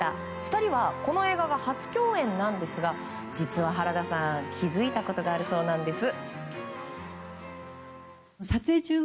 ２人はこの映画が初共演なんですが実は原田さん、気づいたことがあるそうなんです。